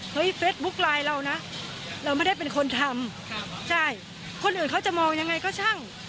เฟซบุ๊คไลน์เรานะเราไม่ได้เป็นคนทำใช่คนอื่นเขาจะมองยังไงก็ช่าง